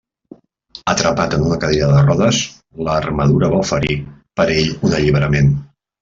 Atrapat en una cadira de rodes, l'armadura va oferir per a ell un alliberament.